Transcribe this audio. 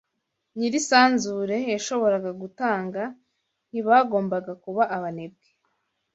Nyirisanzure yashoboraga gutanga, ntibagombaga kuba abanebwe.